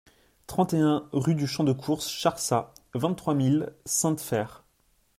trente et un rue du Champ de Course Charsat, vingt-trois mille Sainte-Feyre